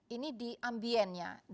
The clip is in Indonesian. ini di ambientnya